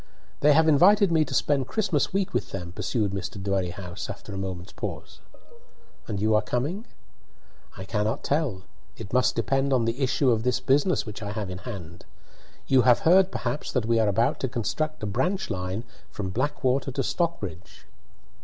"They have invited me to spend Christmas week with them," pursued Mr. Dwerrihouse, after a moment's pause. "And you are coming?" "I cannot tell. It must depend on the issue of this business which I have in hand. You have heard perhaps that we are about to construct a branch line from Blackwater to Stockbridge."